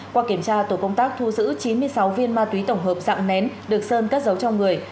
qua kiểm tra tổ công tác thu giữ chín mươi sáu viên ma túy tổng hợp dạng nén được sơn cất giấu trong người